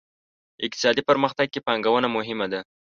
اقتصادي پرمختګ کې پانګونه مهمه ده.